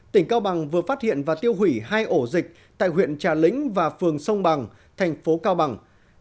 tỉnh cao bằng vừa phát hiện và tiêu hủy hai ổ dịch tại huyện trà lĩnh và phường sông bằng thành phố cao bằng